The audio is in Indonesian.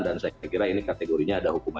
dan saya kira ini kategorinya ada ucapan